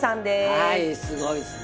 はいすごいっすね。